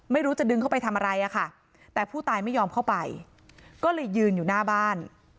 ไม่รู้จะดึงเข้าไปทำอะไรอะค่ะแต่ผู้ตายไม่ยอมเข้าไปก็เลยยืนอยู่หน้าบ้าน